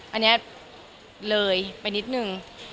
อันนี้เลยไปนิดนึง